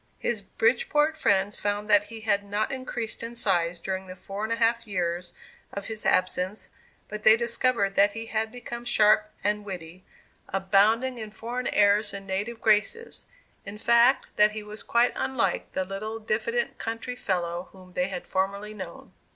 His Bridgeport friends found that he had not increased in size during the four and a half years of his absence, but they discovered that he had become sharp and witty, "abounding in foreign airs and native graces"; in fact, that he was quite unlike the little, diffident country fellow whom they had formerly known.